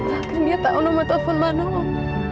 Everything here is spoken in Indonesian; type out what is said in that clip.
akhirnya tau nomor telepon mana om